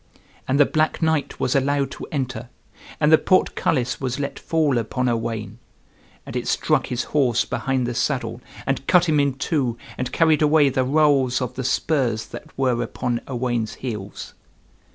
And the black knight was allowed to enter, and the portcullis was let fall upon Owain; and it struck his horse behind the saddle, and cut him in two, and carried away the rowels of the spurs that were upon Owains' heels.